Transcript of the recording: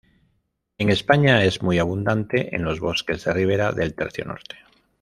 En España es muy abundante en los bosques de ribera del tercio norte.